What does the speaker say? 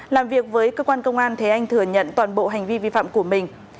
làm việc với cơ quan công an thế anh thừa nhận toàn bộ hành vi vi phạm của mình